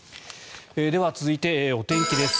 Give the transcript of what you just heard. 続いて、お天気です。